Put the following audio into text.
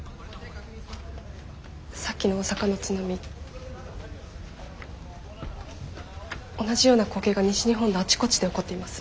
さっきの大阪の津波同じような光景が西日本のあちこちで起こっています。